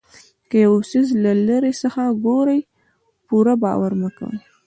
که یو څیز له لرې څخه ګورئ پوره باور مه کوئ.